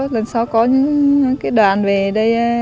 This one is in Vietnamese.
lần sau có những đoàn về đây